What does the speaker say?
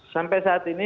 sampai saat ini